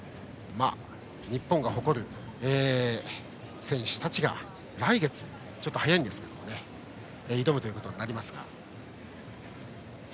日本が誇る選手たちが来月とちょっと早いんですが挑むことになります。